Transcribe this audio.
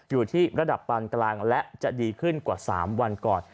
อยู่ที่ระดับปานกลางและจะดีขึ้นกว่า๓วันก่อน